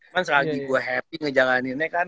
kan selagi gue happy ngejalaninnya kan